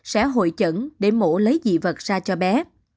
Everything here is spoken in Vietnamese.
sẽ hội chẩn để mổ lấy dị vật ra cho bé